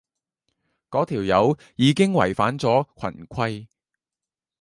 嗰條友已經違反咗群規